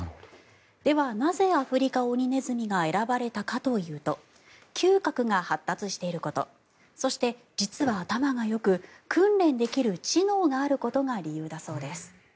では、なぜアフリカオニネズミが選ばれたかというと嗅覚が発達していることそして、実は頭がよく訓練できる知能があることが理由だそうです。